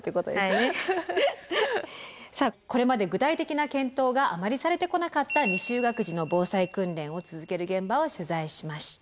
さあこれまで具体的な検討があまりされてこなかった未就学児の防災訓練を続ける現場を取材しました。